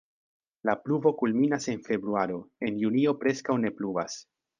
La pluvo kulminas en februaro, en junio preskaŭ ne pluvas.